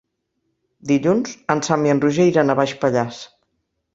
Dilluns en Sam i en Roger iran a Baix Pallars.